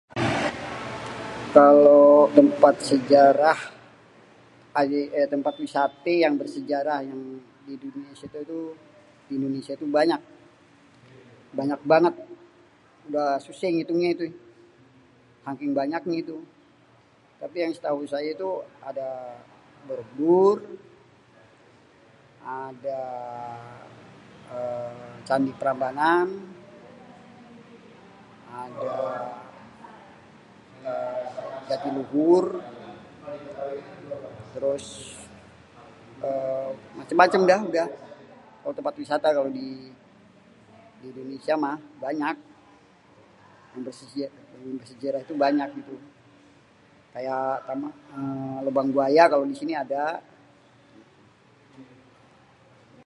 Kalo tempat sejarah tempat wisaté yang bersejarah yang di Indonesia tu banyak.. banyak bangett.. udah suséh ngitungnyé itu.. saking banyaknya itu.. tapi yang setau saya itu ada Borobudur.. ada uhm Candi Prambanan.. ada uhm Jati Luhur (waduk).. trus uhm macem-macem dah udah kalo tempat wisata di Indonesia mah.. banyak.. yang bersejarah tu banyak gitu.. kayak Lubang Buaya kalo di sini ada..